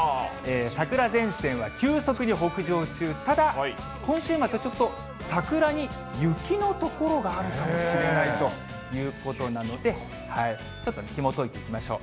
桜前線は急速に北上中、ただ今週末、ちょっと桜に雪の所があるかもしれないということなので、ちょっとひもといていきましょう。